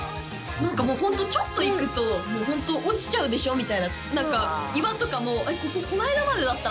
何かもうホントちょっと行くともうホント落ちちゃうでしょみたいな何か岩とかも「えっ？